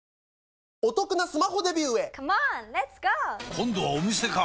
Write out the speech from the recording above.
今度はお店か！